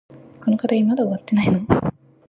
この課題まだ終わってないの？